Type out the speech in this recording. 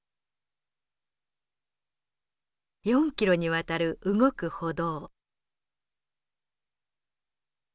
４キロにわたる動く歩道。